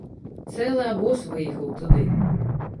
Цэлы абоз выехаў туды.